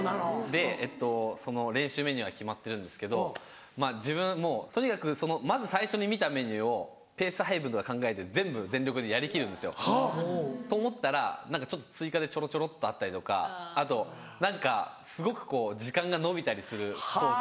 でその練習メニューが決まってるんですけどまぁ自分もうとにかくまず最初に見たメニューをペース配分とか考えて全部全力でやりきるんですよ。と思ったら何かちょっと追加でちょろちょろっとあったりとかあと何かすごく時間が延びたりするコーチで。